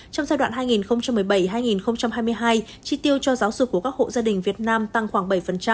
trong giai đoạn hai nghìn một mươi bảy hai nghìn hai mươi hai chi tiêu cho giáo dục của các hộ gia đình việt nam tăng khoảng bảy